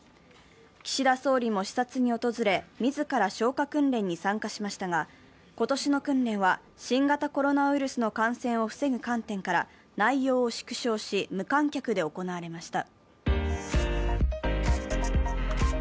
岸田総理も視察に訪れ、自ら消火訓練に参加しましたが今年の訓練は新型コロナウイルスの感染を防ぐ観点から内容を縮小し、無観客で行われました。